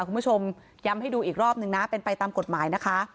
คุณผู้ชมย้ำให้ดูอีกรอบนึงนะเป็นไปตามกฎหมายนะคะ